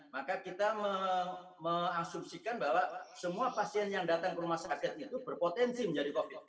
maka kita mengasumsikan bahwa semua pasien yang datang ke rumah sakit itu berpotensi menjadi covid